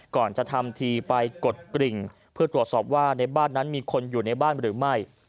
ก่อนจะทำทีไปกดกริ่งเพื่อตรวจสอบว่าในบ้านนั้นมีคนอยู่ในบ้านหรือไม่